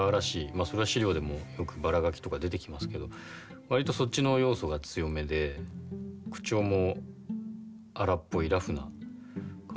あそれは史料でもよくバラガキとか出てきますけど割とそっちの要素が強めで口調も荒っぽいラフな感じの人になってるんじゃないですかね。